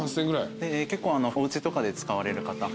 結構おうちとかで使われる方